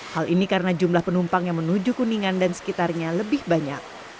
hal ini karena jumlah penumpang yang menuju kuningan dan sekitarnya lebih banyak